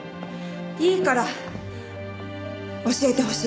いいから教えてほしい。